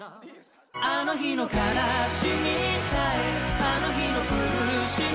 「あの日の悲しみさえあの日の苦しみさえ」